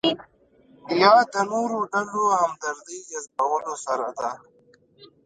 یا د نورو ډلو همدردۍ جذبولو سره ده.